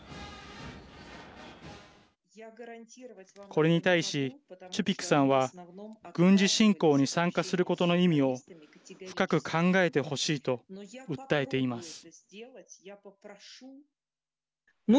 これに対し、チュピクさんは軍事侵攻に参加することの意味を深く考えてほしいと訴えています。